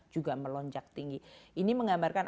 juga melonjak tinggi ini menggambarkan